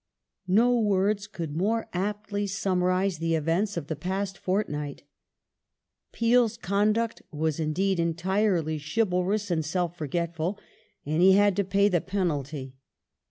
^ No words could more aptly summarize the events of the past fortnight : Peel's conduct was indeed entirely chivalrous and self forgetful, and he had to pay the penalty.